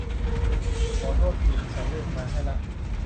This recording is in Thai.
ขอโทษที ใส่เลขมาให้ละ